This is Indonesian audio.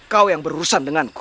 kau yang berurusan denganku